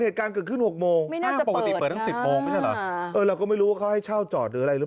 เหตุการณ์เกิดขึ้น๖โมงห้างปกติเปิดถึง๑๐โมงไม่ใช่เหรอ